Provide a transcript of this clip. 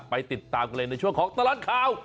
ไปติดตามกันเลยในช่วงของตลอดข่าว